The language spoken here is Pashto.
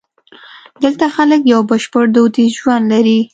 دلته خلک یو بشپړ دودیز ژوند لري.